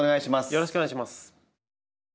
よろしくお願いします！